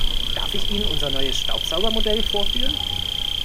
Darf ich Ihnen unser neues Staubsaugermodell vorführen?